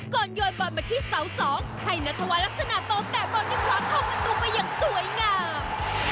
ก่อนโยนบอลมาที่เสา๒ให้นัตวรรษนาโตแต่บอลได้คว้าเข้าประตูไปอย่างสวยงาม